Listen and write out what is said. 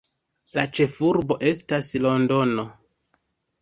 La ĉefurbo estas Londono.